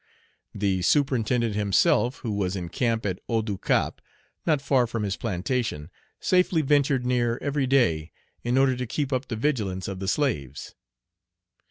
The superintendent himself, who was in camp at Haut du Cap, not far from his plantation, safely ventured near every day, in order to keep up the vigilance of the slaves.